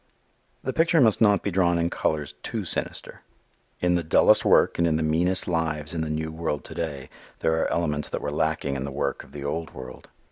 The picture must not be drawn in colors too sinister. In the dullest work and in the meanest lives in the new world to day there are elements that were lacking in the work of the old world.